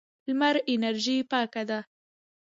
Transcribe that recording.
لمر انرژي پاکه ده.